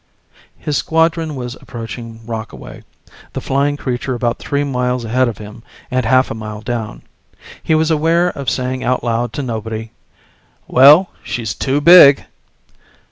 His squadron was approaching Rockaway, the flying creature about three miles ahead of him and half a mile down. He was aware of saying out loud to nobody: "Well, she's too big."